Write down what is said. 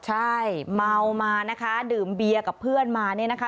ใช่เมามานะคะดื่มเบียร์กับเพื่อนมาเนี่ยนะคะ